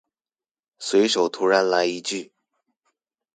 隨手突然來一句